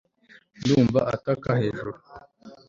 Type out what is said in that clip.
Ndumva ataka hejuru